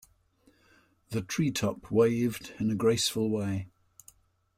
The tree top waved in a graceful way.